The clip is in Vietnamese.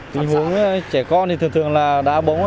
tình huống trẻ con thì thường thường là đá bóng